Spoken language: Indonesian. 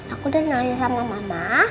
aku udah nanya sama mama